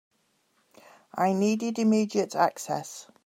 I needed immediate access.